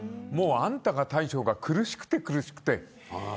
あんたが大将が苦しくて苦しくて。